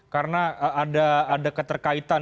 karena ada keterkaitan